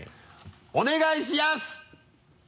お願いしやす！